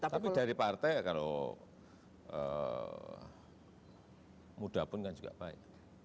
tapi dari partai kalau muda pun kan juga baik